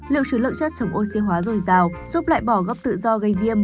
liệu chứa lượng chất chống oxy hóa rồi rào giúp lại bỏ gốc tự do gây viêm